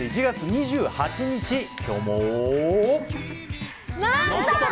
１月２８日、今日も。